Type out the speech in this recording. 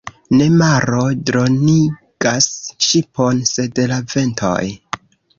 Ne maro dronigas ŝipon, sed la ventoj.